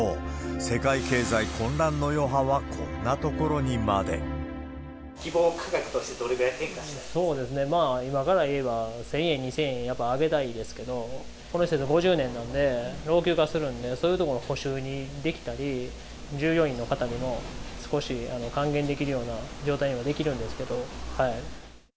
世界経済混乱の余波はこんな所にまで。希望価格として、そうですね、今からいえば、１０００円、２０００円、やっぱ上げたいですけど、この施設で５０年なんで、老朽化するんで、そういう所も補修できたり、従業員の方にも少し還元できるような状態にはできるんですけど。